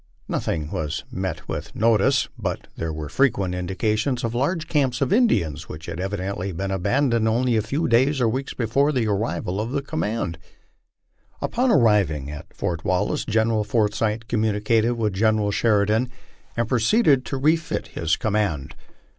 Nothing was met worthy of notice, but there were frequent indications of large camps of Indians which had evidently been abandoned only a few days or weeks before the arrival of the command. 00 LIFE ON THE PLAINS. Upon arriving at Fort Wallace, General Forsyth communicated with Gen eral Sheridan and proceeded to refit his command.